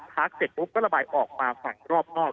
พักเสร็จปุ๊บก็ระบายออกมาฝั่งรอบนอก